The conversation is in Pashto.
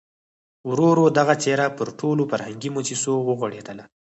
ورو ورو دغه څېره پر ټولو فرهنګي مؤسسو وغوړېدله.